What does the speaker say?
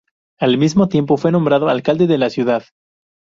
Al mismo tiempo fue nombrado alcalde de la ciudad.